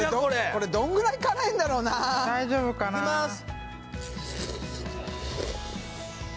これどんぐらい辛いんだろうな大丈夫かないきます！